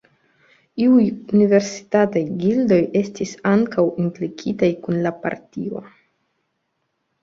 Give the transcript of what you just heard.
Iuj universitataj gildoj estis ankaŭ implikitaj kun la partio.